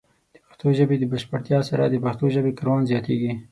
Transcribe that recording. د پښتو ژبې د بشپړتیا سره، د پښتو ژبې کارول زیاتېږي.